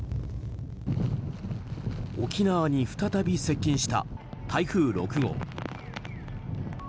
沖縄に再び接近した台風６号。